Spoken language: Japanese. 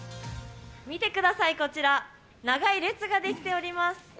見てください、こちら長い列が出来ております。